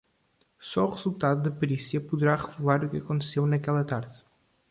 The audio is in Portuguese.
Só o resultado da perícia poderá revelar o que aconteceu naquela tarde